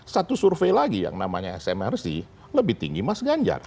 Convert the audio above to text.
satu survei lagi yang namanya smrc lebih tinggi mas ganjar